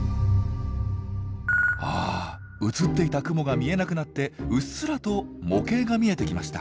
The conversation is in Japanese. あ映っていた雲が見えなくなってうっすらと模型が見えてきました。